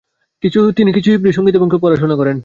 তিনি কিছু হিব্রু ও গ্রিক ভাষা এবং সঙ্গীত নিয়ে পড়াশোনা করেন।